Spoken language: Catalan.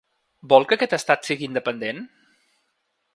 Vol que aquest estat sigui independent?